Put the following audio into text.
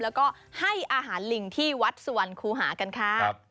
แล้วก็ให้อาหารลิงที่วัดสวรรคูหากันค่ะ